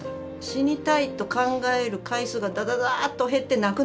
死にたいと考える回数がダダダーッと減ってなくなりました。